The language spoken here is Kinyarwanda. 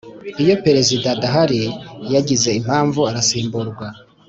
Iyo Perezida adahari yagize impamvu arasimburwa